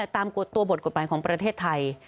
ตามตัวบทกฎหมายของประเทศไทย